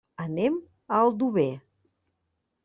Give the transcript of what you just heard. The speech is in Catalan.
Anem a Aldover.